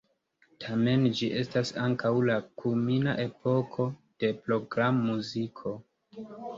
Tamen ĝi estas ankaŭ la kulmina epoko de programmuziko.